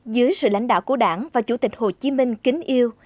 dưới sự lãnh đạo của đảng và chủ tịch hồ chí minh kính yêu